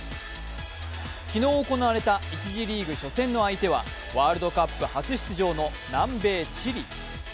昨日行われた１次リーグ初戦の相手はワールドカップ初出場の南米チリ。